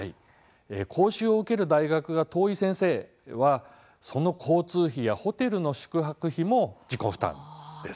講習を受ける大学が遠い先生はその交通費やホテルの宿泊費も自己負担です。